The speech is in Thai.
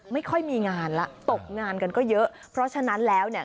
ไม่ค่อยมีงานแล้วตกงานกันก็เยอะเพราะฉะนั้นแล้วเนี่ย